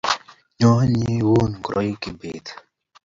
Nyoo, nyiun ngoroik kibet